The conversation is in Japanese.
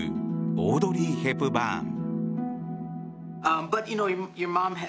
オードリー・ヘプバーン。